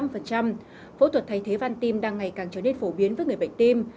phẫu thuật thay thế văn tim đang ngày càng trở nên phổ biến với người bệnh tim